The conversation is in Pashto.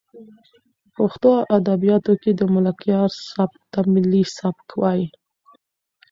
په پښتو ادبیاتو کې د ملکیار سبک ته ملي سبک وایي.